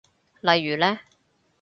例如呢？